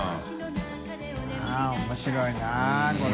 ◆舛面白いなこれ。